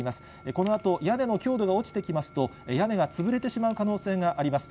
このあと、屋根の強度が落ちてきますと、屋根が潰れてしまう可能性があります。